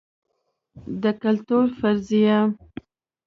د کلتور فرضیه